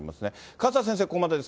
勝田先生、ここまでです。